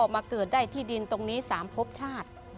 มาเกิดได้ที่ดินตรงนี้๓พบชาติ